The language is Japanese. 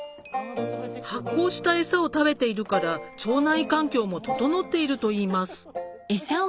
発酵した餌を食べているから腸内環境も整っているといいますおいしょ。